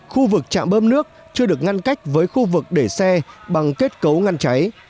khu vực trạm bơm nước chưa được ngăn cách với khu vực để xe bằng kết cấu ngăn cháy